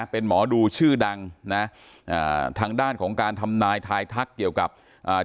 เป็นหมอดูชื่อดังนะอ่าทางด้านของการทำนายทายทักเกี่ยวกับอ่า